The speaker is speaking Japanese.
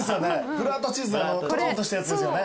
ブッラータチーズのとろっとしたやつですよね。